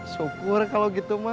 syukur kalau gitu ma